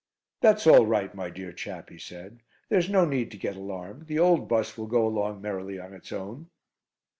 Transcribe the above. "That's all right, my dear chap," he said, "there's no need to get alarmed. The old bus will go along merrily on its own."